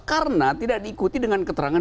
karena tidak diikuti dengan keterangan